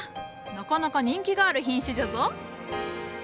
なかなか人気がある品種じゃぞ。